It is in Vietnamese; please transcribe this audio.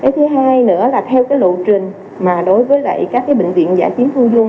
thứ hai nữa là theo lộ trình mà đối với các bệnh viện giả chiến phương dung